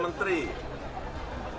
yang perintah itu presiden